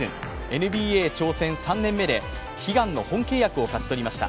ＮＢＡ挑戦３年目で悲願の本契約を勝ち取りました。